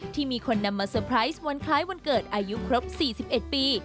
ที่มีคนนำมาเตอร์ไพรส์วันคล้ายวันเกิดอายุครบ๔๑ปี